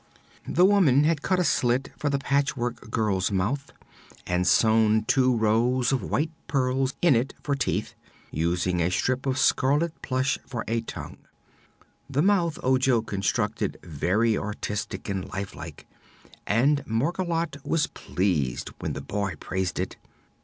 The woman had cut a slit for the Patchwork Girl's mouth and sewn two rows of white pearls in it for teeth, using a strip of scarlet plush for a tongue. This mouth Ojo considered very artistic and lifelike, and Margolotte was pleased when the boy praised it.